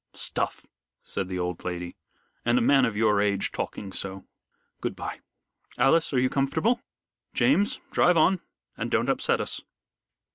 "Stuff!" said the old lady, "and a man of your age talking so. Good bye. Alice, are you comfortable? James, drive on, and don't upset us."